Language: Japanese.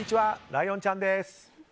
ライオンちゃんです。